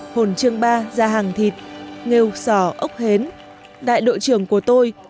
hồn trương ba gia hàng thịt nghêu sỏ ốc hến đại độ trưởng của tôi